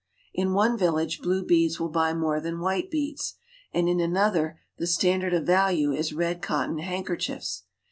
In one village blue beads will buy more than white beads, and in another the standard of value is red cotton hand kerchiefs.